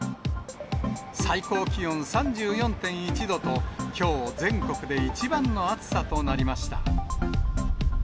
最高気温３４．１度と、きょう全国で一番の暑さとなりました。